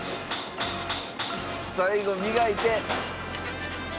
「最後磨いて」